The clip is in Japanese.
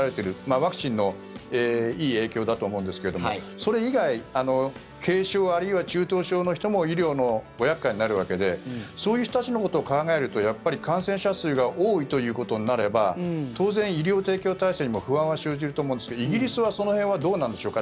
ワクチンのいい影響だと思うんですけどもそれ以外軽症あるいは中等症の人も医療のご厄介になるわけでそういう人たちのことを考えるとやっぱり感染者数が多いということになれば当然、医療提供体制にも不安は生じると思うんですけどイギリスはその辺はどうなんでしょうか。